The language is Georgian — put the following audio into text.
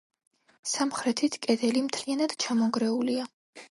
სამხრეთით კედელი მთლიანად ჩამონგრეულია.